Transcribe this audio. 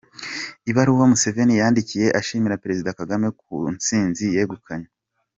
Ibaruwa Museveni yanditse ashimira Perezida Kagame ku intsinzi yegukanye.